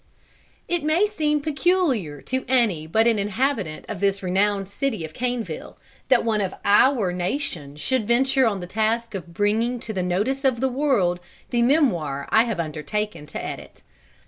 It may seem peculiar to any but an inhabitant of this renowned city of Caneville, that one of our nation should venture on the task of bringing to the notice of the world the memoir I have undertaken to edit.